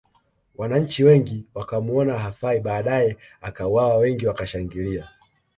Wananchi wengi wakamuona hafai badae akauwawa wengi wakashangilia